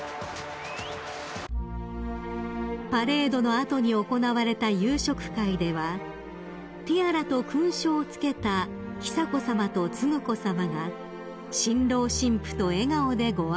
［パレードの後に行われた夕食会ではティアラと勲章を着けた久子さまと承子さまが新郎新婦と笑顔でご挨拶］